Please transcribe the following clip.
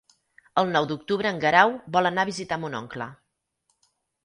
El nou d'octubre en Guerau vol anar a visitar mon oncle.